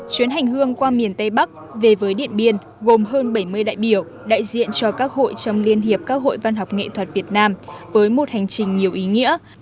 chuyến hành hương qua miền tây bắc về với điện biên gồm hơn bảy mươi đại biểu đại diện cho các hội trong liên hiệp các hội văn học nghệ thuật việt nam với một hành trình nhiều ý nghĩa